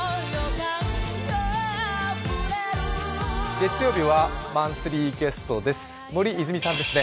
月曜日はマンスリーゲストです森泉さんですね